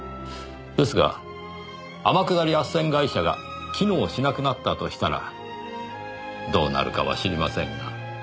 ですが天下り斡旋会社が機能しなくなったとしたらどうなるかは知りませんが。